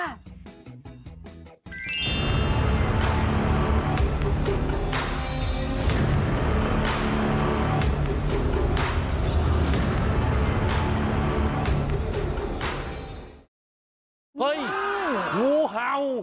เฮ้ยงูเห่า